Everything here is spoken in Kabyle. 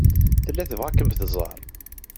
Tella tebɣa ad kem-tẓer.